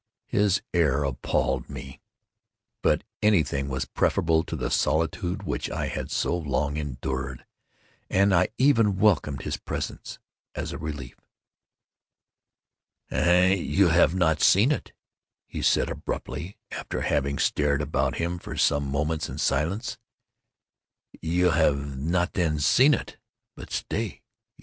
His air appalled me—but anything was preferable to the solitude which I had so long endured, and I even welcomed his presence as a relief. "And you have not seen it?" he said abruptly, after having stared about him for some moments in silence—"you have not then seen it?—but, stay!